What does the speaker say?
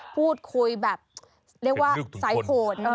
พูดคุยแบบเรียกว่าสายโหด